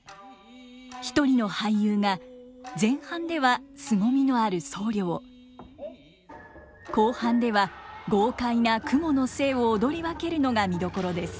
一人の俳優が前半では凄みのある僧侶を後半では豪快な蜘蛛の精を踊り分けるのが見どころです。